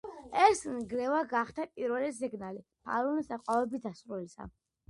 ეს ნგრევა გახდა პირველი სიგნალი ფალუნის აყვავების დასასრულისა.